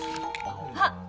あっ！